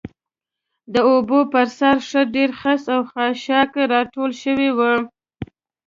د اوبو پر سر ښه ډېر خس او خاشاک راټول شوي و.